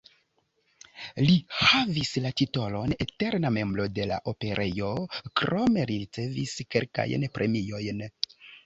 Li havis la titolon "eterna membro de la Operejo", krome li ricevis kelkajn premiojn.